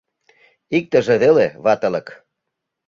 Иктыже веле ватылык.